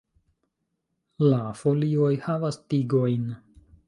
La folioj havas tigojn.